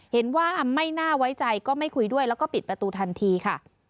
เห็นว่าไม่น่าไว้ใจก็ไม่คุยด้วยแล้วก็ปิดประตูทันทีค่ะ